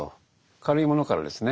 軽いものからですね